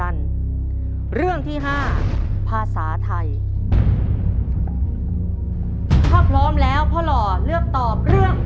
เรื่องแรกครับ